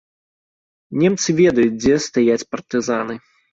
Немцы ведаюць, дзе стаяць партызаны.